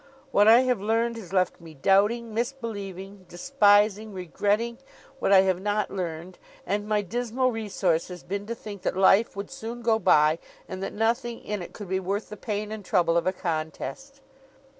What I have learned has left me doubting, misbelieving, despising, regretting, what I have not learned; and my dismal resource has been to think that life would soon go by, and that nothing in it could be worth the pain and trouble of a contest.